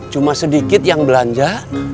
cuma sedikit yang belanja